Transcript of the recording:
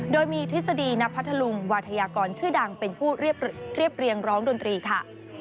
โดยมีทฤษฎีณพัทธลุงวาธยากรชื่อดังเป็นผู้เรียบเรียงร้องดนตรีค่ะ